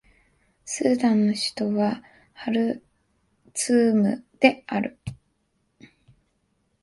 スーダンの首都はハルツームである